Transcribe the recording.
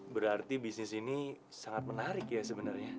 berarti bisnis ini sangat menarik ya sebenarnya